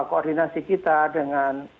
koordinasi kita dengan